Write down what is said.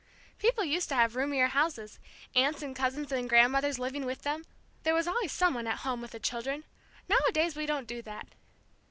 People used to have roomier houses, aunts and cousins and grandmothers living with them; there was always some one at home with the children. Nowadays we don't do that."